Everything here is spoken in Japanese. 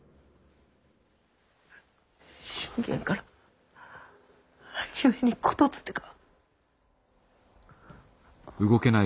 信玄から兄上に言づてが。